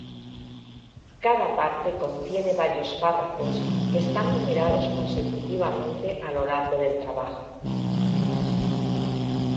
Cada parte contiene varios párrafos que están numerados consecutivamente a lo largo del trabajo.